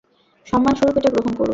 সম্মানস্বরূপ এটা গ্রহণ করুন।